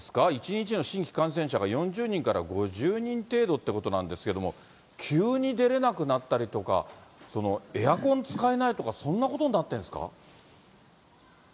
１日の新規感染者が４０人から５０人程度ってことなんですけども、急に出れなくなったりとか、エアコン使えないとか、そんなことになってるんですか？